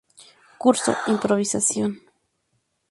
Curso “Improvisación".